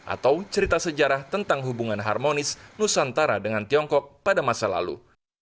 atau cerita sejarah tentang hubungan harmonis nusantara dengan tiongkok pada masa lalu